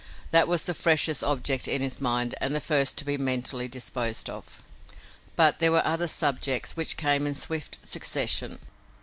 That was the freshest object in his mind and the first to be mentally disposed of. But there were other subjects which came in swift succession.